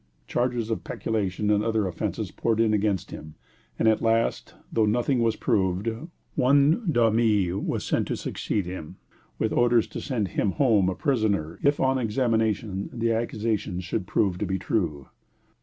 Charges of peculation and other offences poured in against him, and at last, though nothing was proved, one De Muys was sent to succeed him, with orders to send him home a prisoner if on examination the accusations should prove to be true.